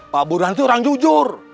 pak buruhan itu orang jujur